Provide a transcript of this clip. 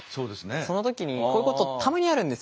その時にこういうことたまにあるんですよね何か。